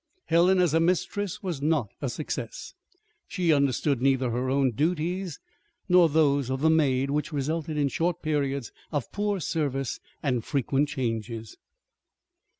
Helen, as a mistress, was not a success. She understood neither her own duties nor those of the maid which resulted in short periods of poor service and frequent changes.